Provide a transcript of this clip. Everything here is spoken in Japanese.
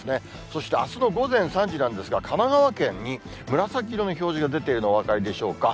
そしてあすの午前３時なんですが、神奈川県に紫色の表示が出ているの、お分かりでしょうか。